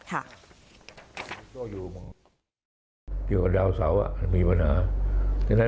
กระทรวงเกษตรก็มีปัญหา